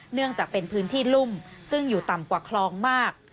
เนื่องจากเป็นพื้นที่รุ่มซึ่งอยู่ต่ำกว่าคลองมาก